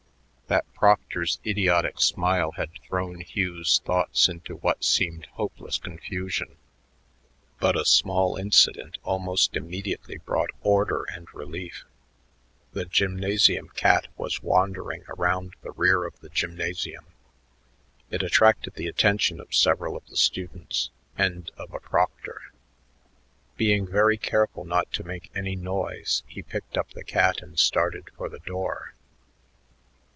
That proctor's idiotic smile had thrown Hugh's thoughts into what seemed hopeless confusion, but a small incident almost immediately brought order and relief. The gymnasium cat was wandering around the rear of the gymnasium. It attracted the attention of several of the students and of a proctor. Being very careful not to make any noise, he picked up the cat and started for the door.